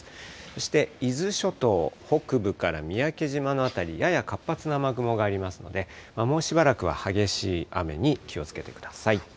そして伊豆諸島北部から三宅島の辺り、やや活発な雨雲がありますので、もうしばらくは激しい雨に気をつけてください。